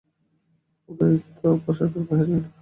উদয়াদিত্য প্রাসাদের বাহিরে গেলেন।